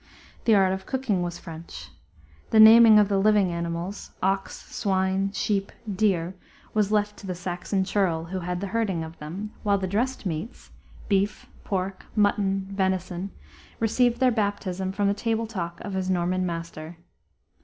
The art of cooking was French. The naming of the living animals, ox, swine, sheep, deer, was left to the Saxon churl who had the herding of them, while the dressed meats, beef, pork, mutton, venison, received their baptism from the table talk of his Norman master.